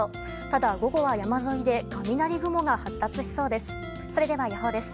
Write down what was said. ただ、午後は山沿いで雷雲が発達しそうです。